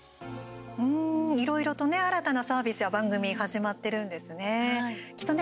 いろいろとね新たなサービスや番組始まってるんですね。